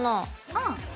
うん。